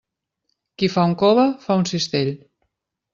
Qui fa un cove, fa un cistell.